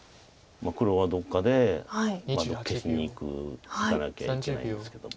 黒はどっかで消しにいくいかなきゃいけないんですけども。